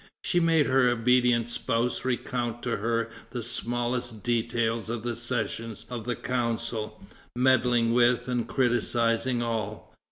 She made her obedient spouse recount to her the smallest details of the sessions of the Council, meddling with and criticising all.